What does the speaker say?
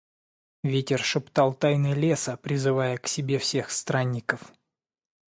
Ветер шептал тайны леса, призывая к себе всех странников.